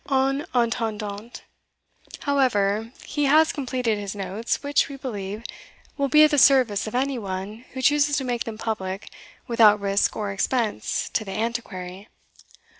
En attendant, however, he has completed his notes, which, we believe, will be at the service of any one who chooses to make them public without risk or expense to THE ANTIQUARY.